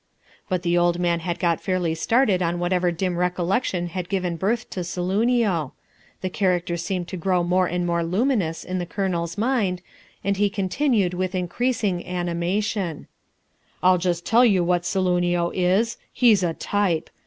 But the old man had got fairly started on whatever dim recollection had given birth to Saloonio; the character seemed to grow more and more luminous in the Colonel's mind, and he continued with increasing animation: "I'll just tell you what Saloonio is: he's a type.